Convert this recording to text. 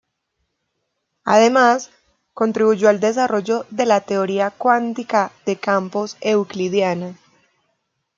Además, contribuyó al desarrollo de la teoría cuántica de campos euclidiana.